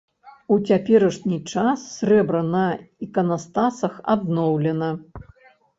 У цяперашні час срэбра на іканастасах адноўлена.